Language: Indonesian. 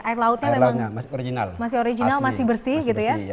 air lautnya memang masih original masih bersih gitu ya